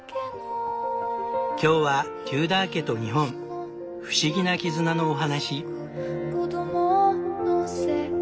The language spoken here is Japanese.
今日はテューダー家と日本不思議な絆のお話。